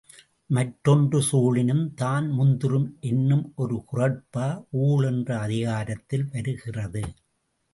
மற்றொன்று சூழினும் தான்முந் துறும் என்னும் ஒரு குறட்பா ஊழ் என்ற அதிகாரத்தில் வருகிறது.